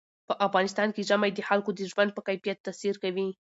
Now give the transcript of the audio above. په افغانستان کې ژمی د خلکو د ژوند په کیفیت تاثیر کوي.